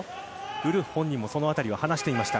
ウルフ本人もその辺り話していました。